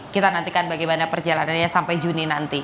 kita nantikan bagaimana perjalanannya sampai juni nanti